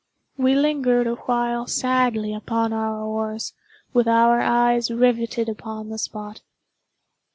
We lingered awhile sadly upon our oars, with our eyes riveted upon the spot.